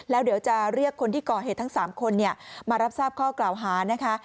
แล้วเดี๋ยวจะเรียกคนที่ก่อเหตุทั้ง๓คนมารับทราบข้อกล่าวหานะคะ